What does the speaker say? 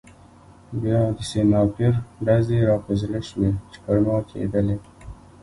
بیا د سنایپر ډزې را په زړه شوې چې پر ما کېدلې